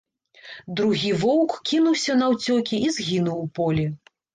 Другі воўк кінуўся наўцёкі і згінуў у полі.